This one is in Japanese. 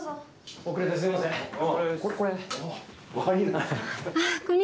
遅れてすみません。